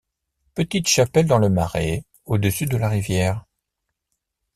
Petite chapelle dans le Marais, au-dessus de la rivière.